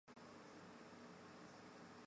义县是辽宁省锦州市下辖的一个县。